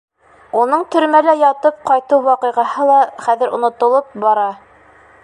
Уның төрмәлә ятып ҡайтыу ваҡиғаһы ла хәҙер онотолоп, бара.